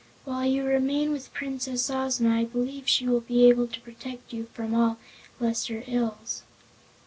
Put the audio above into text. While you remain with Princess Ozma I believe she will be able to protect you from all lesser ills."